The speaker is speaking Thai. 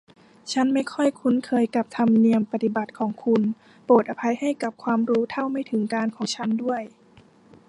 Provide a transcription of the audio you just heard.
ฉันไม่ค่อยคุ้นเคยกับธรรมเนียมปฏิบัติของคุณ โปรดอภัยให้กับความรู้เท่าไม่ถึงการณ์ของฉันด้วย